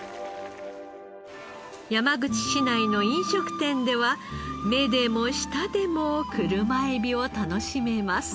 山口市内の飲食店では目でも舌でも車エビを楽しめます。